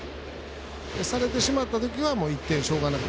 されてしまった時は１点しょうがなく。